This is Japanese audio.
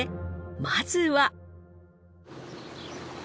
まずは。